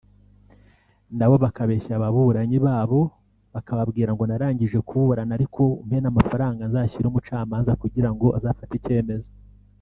nabo bakabeshya ababuranyi babo bakababwira ngo narangije kuburana ariko umpe n’amafaranga nzashyire umucamanza kugira ngo azafate icyemezo